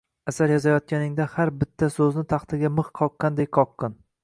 “Asar yozayotganingda har bitta so‘zni taxtaga mix qoqqandek qoqqin